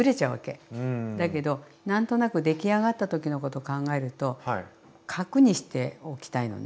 だけど何となくできあがった時のこと考えると角にしておきたいのね。